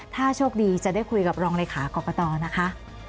ถ้าโชคดีจะได้คุยกับรองเลขากรกตนะคะ